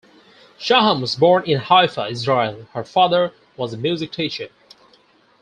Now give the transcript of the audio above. Shaham was born in Haifa, Israel; her father was a music teacher.